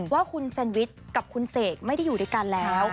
ว่าคุณแซนวิชกับคุณเสกไม่ได้อยู่ด้วยกันแล้ว